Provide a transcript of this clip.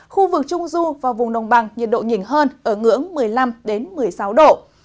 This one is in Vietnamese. khu vực trung du và vùng đồng bằng nhiệt độ nhìn hơn ở ngưỡng một mươi năm một mươi sáu độ